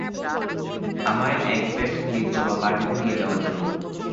আমায় এক bat mitzvah পার্টিতে নিয়ে যাওয়ার জন্য।